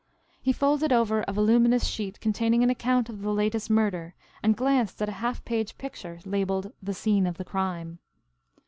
He folded over a voluminous sheet containing an account of the latest murder, and glanced at a half page picture, labeled, "The Scene of the Crime."